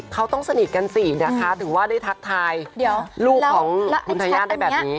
เขาต้องสนิทกันสินะคะถึงว่าได้ทักทายลูกของคุณทายาทได้แบบนี้